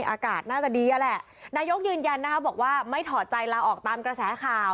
อากาศน่าจะดีนั่นแหละนายกยืนยันนะคะบอกว่าไม่ถอดใจลาออกตามกระแสข่าว